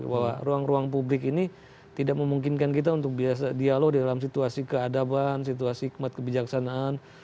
bahwa ruang ruang publik ini tidak memungkinkan kita untuk biasa dialog dalam situasi keadaban situasi hikmat kebijaksanaan